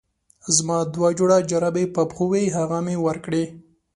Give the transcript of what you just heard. زما دوه جوړه جرابې په پښو وې هغه مې ورکړې.